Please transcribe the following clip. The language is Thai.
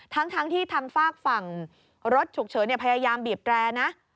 ทั้งที่ทางฝากฝั่งรถฉุกเฉินพยายามบีบแตรนะ